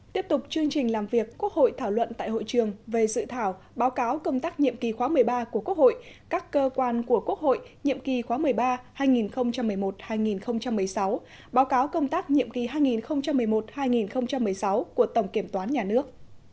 tiếp tục chương trình làm việc quốc hội thảo luận tại hội trường về dự thảo báo cáo công tác nhiệm kỳ khóa một mươi ba của quốc hội các cơ quan của quốc hội nhiệm kỳ khóa một mươi ba hai nghìn một mươi một hai nghìn một mươi sáu báo cáo công tác nhiệm kỳ hai nghìn một mươi một hai nghìn một mươi sáu của tổng kiểm toán nhà nước